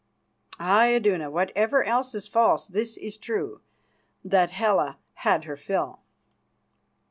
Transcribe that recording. "Aye, Iduna, whatever else is false, this is true, that Hela had her fill."